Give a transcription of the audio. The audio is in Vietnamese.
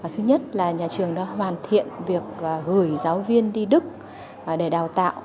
thứ nhất là nhà trường đã hoàn thiện việc gửi giáo viên đi đức để đào tạo